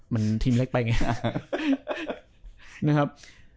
มันทีมเล็กไปไง